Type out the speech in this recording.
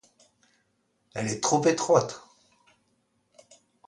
Elle est trop étroite.